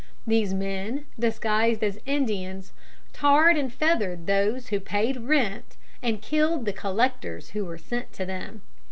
These men, disguised as Indians, tarred and feathered those who paid rent, and killed the collectors who were sent to them.